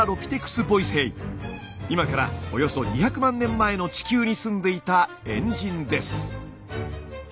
今からおよそ２００万年前の地球に住んでいた猿人です。